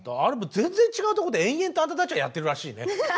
全然違うところで延々とあんたたちはやってるらしいね。